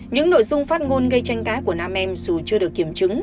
những nội dung phát ngôn gây tranh cãi của nam em dù chưa được kiểm chứng